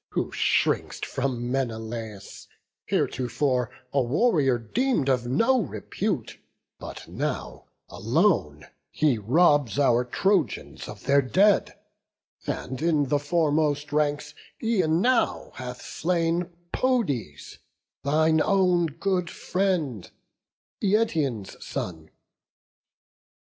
Who shrink'st from Menelaus, heretofore A warrior deem'd of no repute; but now, Alone, he robs our Trojans of their dead; And in the foremost ranks e'en now hath slain Podes, thine own good friend, Eetion's son."